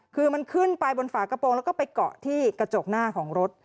คือมันขึ้นไปบนฝากระโปรงแล้วก็ไปเกาะที่กระจกหน้าของรถ